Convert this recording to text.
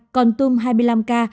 còn tum hai mươi năm ca